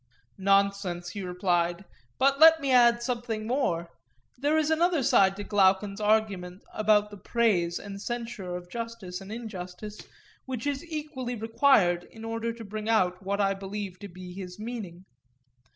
Nonsense, he replied. But let me add something more: There is another side to Glaucon's argument about the praise and censure of justice and injustice, which is equally required in order to bring out what I believe to be his meaning.